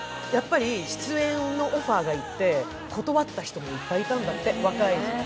出演のオファーが行って、断った人もいっぱいいたんだって。